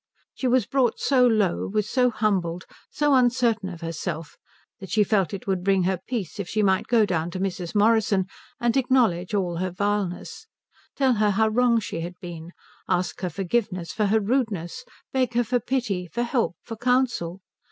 She was brought so low, was so humbled, so uncertain of herself, that she felt it would bring her peace if she might go down to Mrs. Morrison and acknowledge all her vileness; tell her how wrong she had been, ask her forgiveness for her rudeness, beg her for pity, for help, for counsel.